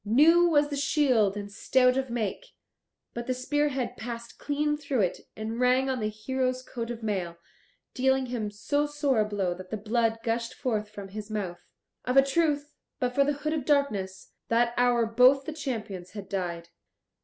New was the shield and stout of make, but the spearhead passed clean through it, and rang on the hero's coat of mail, dealing him so sore a blow that the blood gushed forth from his mouth. Of a truth, but for the Hood of Darkness, that hour both the champions had died.